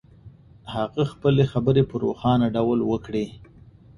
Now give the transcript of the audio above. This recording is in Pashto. هغه خپلې خبرې په روښانه ډول وکړې.